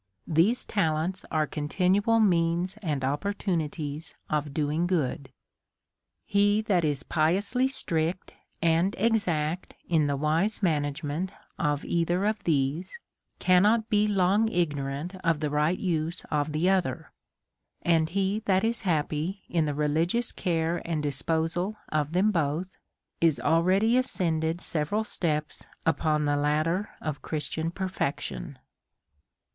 These ta lents are continual means and opportunities of doing g'ood. He that is piously strict and exact in the wise ma nagement of either of these cannot be long ignorant of the right use of the other ; and he that is happy in the religious care and disposal of them both is already ascended several steps upon the ladder of Christian perfection.